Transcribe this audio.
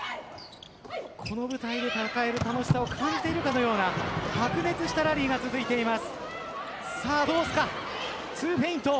この舞台で迎える楽しさを感じているかのような白熱したラリーが続いています。